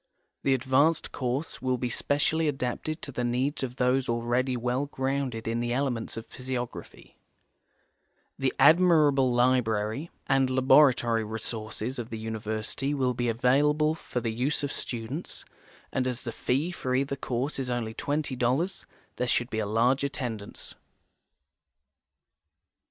The advanced course will be specially adai)ted to the needs of those already well grounded in the elements of physiograpln\ The admirable library and laboratory resources of the university will be available for the use of students, and as the fee for either course is only §20, there should be a large attendance.